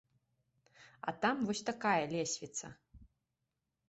А там вось такая лесвіца.